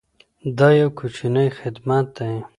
دا یو کوچنی خدمت دی.